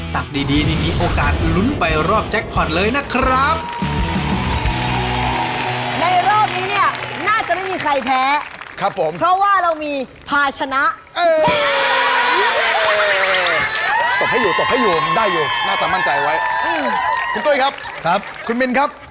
ตักดีนี่มีโอกาสลุ้นไปรอบแจ็คพอร์ตเลยนะครับ